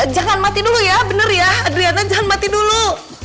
jangan mati dulu ya bener ya adriana jangan mati dulu